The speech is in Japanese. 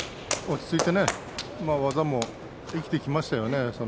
落ち着いて技も生きてきましたね。